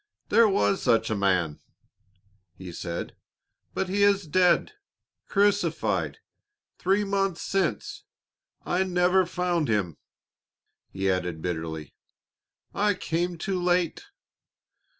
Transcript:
"There was such a man," he said, "but he is dead crucified, three months since. I never found him," he added bitterly; "I came too late."